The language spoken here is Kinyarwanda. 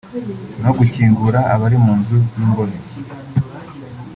no gukingurira abari mu nzu y’ imbohe »